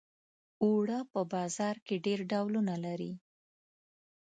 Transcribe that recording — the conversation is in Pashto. اوړه په بازار کې ډېر ډولونه لري